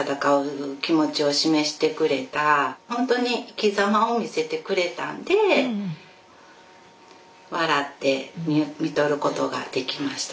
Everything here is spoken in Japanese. ほんとに生きざまを見せてくれたんで笑って看取ることができました。